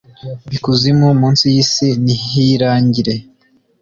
ikuzimu mu nsi y’isi nihirangire,